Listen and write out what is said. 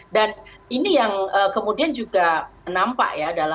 dan ini yang kemudian juga nampak ya